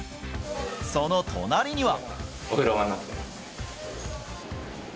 その隣には。